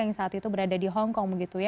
yang saat itu berada di hongkong begitu ya